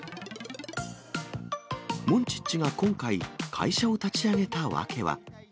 モンチッチが今回、会社を立ち上げた訳は。